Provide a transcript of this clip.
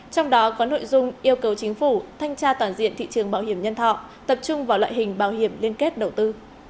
trong đó có nội dung yêu cầu chính phủ thanh tra toàn diện thị trường bảo hiểm nhân thọ tập trung vào loại hình bảo hiểm liên kết đầu tư